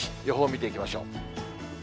予報見ていきましょう。